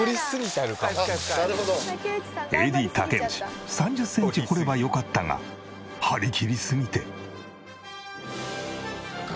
ＡＤ竹内３０センチ掘ればよかったが張り切りすぎて。